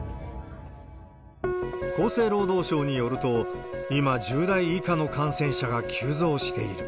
厚生労働省によると、今、１０代以下の感染者が急増している。